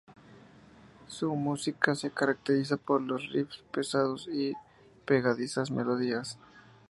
Su música se caracteriza por los riffs pesados y sus pegadizas melodías.